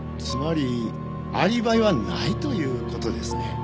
つまりアリバイはないという事ですね？